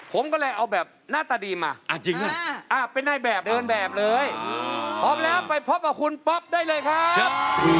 พร้อมแล้วไปพบกับคุณป๊อปได้เลยครับ